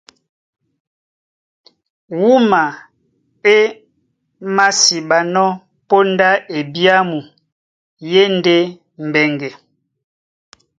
Wúma é māsiɓanɔ́ póndá ebyàmu e e ndé mbɛŋgɛ.